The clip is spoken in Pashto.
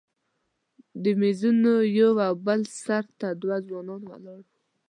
د میزونو یو او بل سر ته دوه ځوانان ولاړ وو.